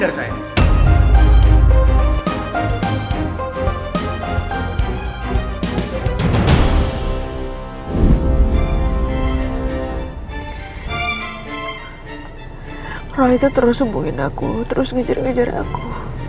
orang itu terus sembuhin aku terus ngejar ngejar aku